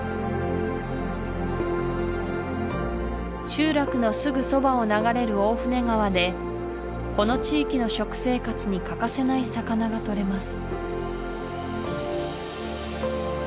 集落のすぐそばを流れる大船川でこの地域の食生活に欠かせない魚がとれます